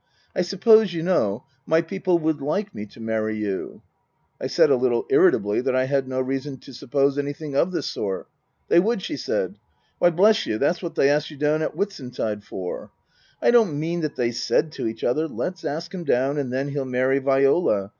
I suppose you know my people would like me to marry you ?" I said a little irritably that I had no reason to suppose anything of the sort. " They would," she said. " Why, bless you, that's what they asked you down at Whitsuntide for ! I don't mean that they said to each other : Let's ask him down and then he'll marry Viola.